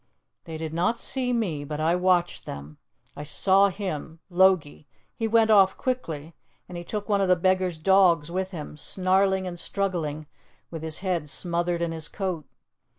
"They did not see me, but I watched them; I saw him Logie he went off quickly, and he took one of the beggar's dogs with him, snarling and struggling, with his head smothered in his coat.